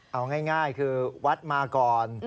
เอาง่ายคือวัดมาก่อน